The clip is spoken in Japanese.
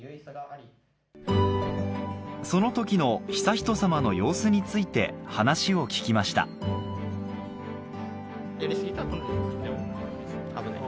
その時の悠仁さまの様子について話を聞きました危ない。